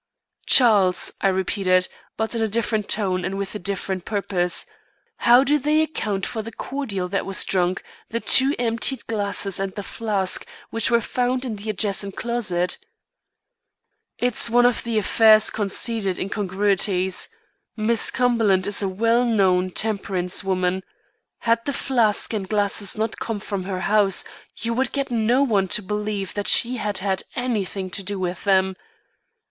"Charles," I repeated, but in a different tone and with a different purpose, "how do they account for the cordial that was drunk the two emptied glasses and the flask which were found in the adjacent closet?" "It's one of the affair's conceded incongruities. Miss Cumberland is a well known temperance woman. Had the flask and glasses not come from her house, you would get no one to believe that she had had anything to do with them.